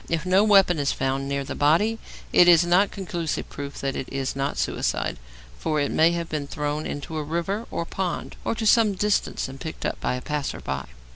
If no weapon is found near the body, it is not conclusive proof that it is not suicide, for it may have been thrown into a river or pond, or to some distance and picked up by a passer by.